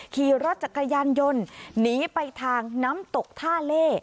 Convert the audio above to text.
ขี่รถจักรยานยนต์หนีไปทางน้ำตกท่าเล่